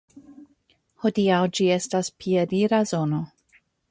Hodiaŭ ĝi estas piedira zono.